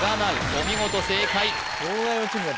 お見事正解